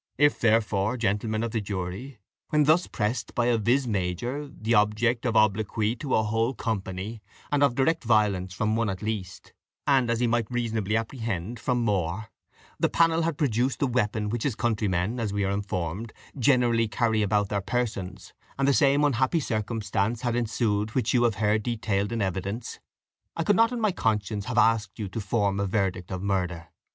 If, therefore, gentlemen of the jury, when thus pressed by a vis major, the object of obloquy to a whole company, and of direct violence from one at least, and, as he might reasonably apprehend, from more, the panel had produced the weapon which his countrymen, as we are informed, generally carry about their persons, and the same unhappy circumstance had ensued which you have heard detailed in evidence, I could not in my conscience have asked from you a verdict of murder.